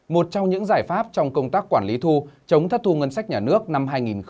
một trong những giải pháp trong công tác quản lý thu chống thất thu ngân sách nhà nước năm hai nghìn một mươi chín